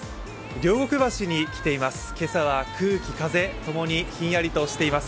両国橋に来ています。